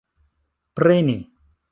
preni